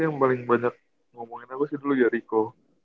yang paling banyak ngomongin aku sih dulu ya riko